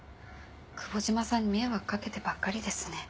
久保島さんに迷惑かけてばっかりですね。